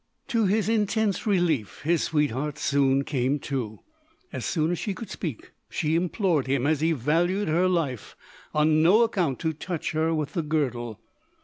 To his intense relief his sweetheart soon came to. As soon as she could speak she implored him, as he valued her life, on no account to touch her with the girdle.